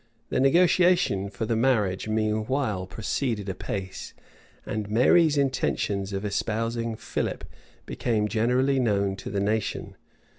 The negotiation for the marriage meanwhile proceeded apace; and Mary's intentions of espousing Philip became generally known to the nation.